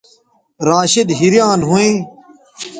راشدحیریان ھویں